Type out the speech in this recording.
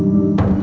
aku mau ke rumah